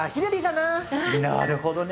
なるほどね。